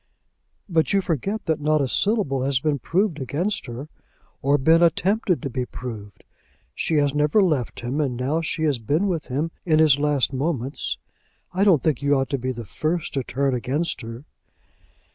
"But you forget that not a syllable has been proved against her, or been attempted to be proved. She has never left him, and now she has been with him in his last moments. I don't think you ought to be the first to turn against her."